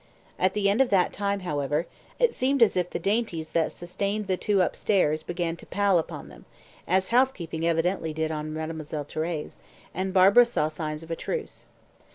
At the end of that time, however, it seemed as if the dainties that sustained the two upstairs began to pall upon them, as housekeeping evidently did on Mademoiselle Thérèse, and Barbara saw signs of a truce.